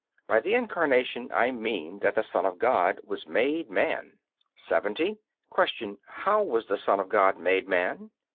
By the Incarnation I mean that the Son of God was made man. 70. Q. How was the Son of God made man?